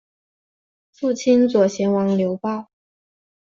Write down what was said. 父亲左贤王刘豹。